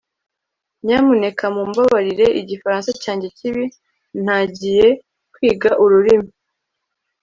nyamuneka mumbabarire igifaransa cyanjye kibi. ntangiye kwiga ururimi